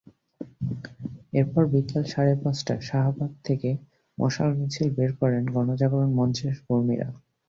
এরপর বিকেল সাড়ে পাঁচটায় শাহবাগ থেকে মশাল মিছিল বের করেন গণজাগরণ মঞ্চের কর্মীরা।